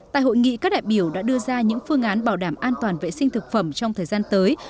tại hội nghị các đại biểu đã đưa ra những phương án bảo đảm an toàn vệ sinh thực phẩm trong thời gian tới